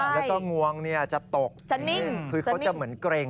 แล้วก็งวงจะตกคือเขาจะเหมือนเกร็ง